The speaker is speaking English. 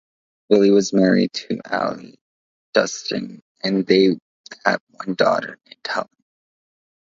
Willis was married to Allie Dustin, and they had one daughter named Helen.